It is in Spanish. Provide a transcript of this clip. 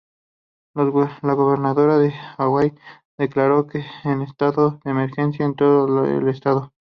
La gobernadora de Hawái declaró el estado de emergencia en todo el estado.